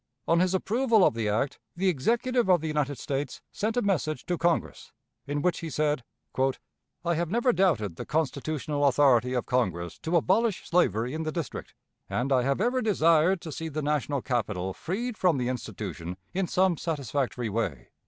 On his approval of the act, the Executive of the United States sent a message to Congress, in which he said: "I have never doubted the constitutional authority of Congress to abolish slavery in the District, and I have ever desired to see the national capital freed from the institution in some satisfactory way.